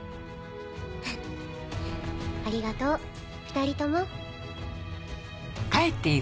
ありがとう２人とも。